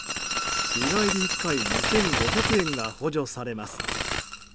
日帰り１回２５００円が補助されます。